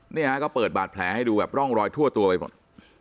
เนี่ยฮะก็เปิดบาดแผลให้ดูแบบร่องรอยทั่วตัวไปหมด